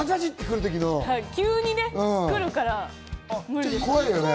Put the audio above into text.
急にね、来るから無理です。